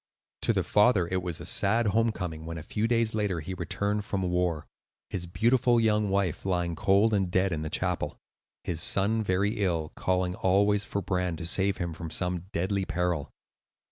To the father it was a sad home coming when, a few days later, he returned from war,—his beautiful young wife lying cold and dead in the chapel; his son very ill, calling always for Bran to save him from some deadly peril.